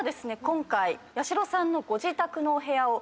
今回やしろさんのご自宅のお部屋を。